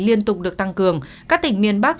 liên tục được tăng cường các tỉnh miền bắc